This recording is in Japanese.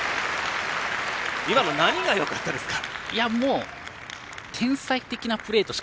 今のは何がよかったですか？